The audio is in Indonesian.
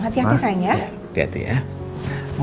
tidak ada masalah hati hati sayang ya